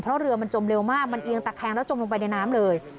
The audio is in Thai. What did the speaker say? เพราะเรือมันจมเร็วมากมันเอียงตะแคงแล้วจมลงไปในน้ำเลย